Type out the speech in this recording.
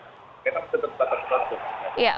oke tetap tetap tetap tetap tetap